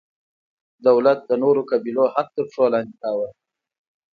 دولت د نورو قبیلو حق تر پښو لاندې کاوه.